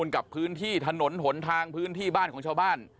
กับพื้นที่ถนนหนทางพื้นที่บ้านของชาวบ้าน